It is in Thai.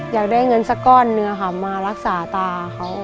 อยากได้เงินสักก้อนหนึ่งมารักษาตาเขา